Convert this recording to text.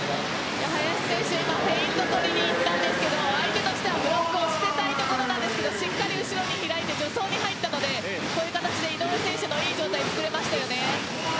林選手、フェイントをとりに行ったんですけど相手としてはブロックを捨てたいところでしたがしっかり後ろに開いて助走に入ったのでこういう形で井上選手のいい状態を作れましたね。